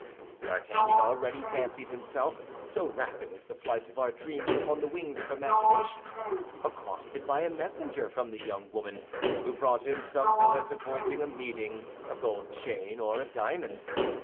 D'Artagnan already fancied himself, so rapid is the flight of our dreams upon the wings of imagination, accosted by a messenger from the young woman, who brought him some billet appointing a meeting, a gold chain, or a diamond.